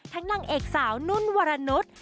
นางเอกสาวนุ่นวรนุษย์